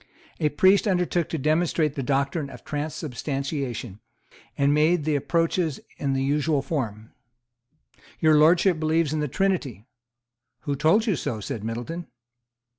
A priest undertook to demonstrate the doctrine of transubstantiation, and made the approaches in the usual form. "Your Lordship believes in the Trinity." "Who told you so?" said Middleton.